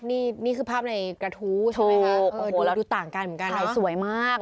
นี่คือภาพในกระทู้ใช่ไหมคะดูต่างกันเหมือนกันเนอะถ่ายสวยมาก